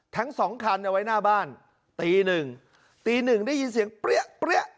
แท้ง๒คันไว้หน้าบ้านตี๑ตี๑ได้ยินเสียงเปรี้ยะเปรี้ยะ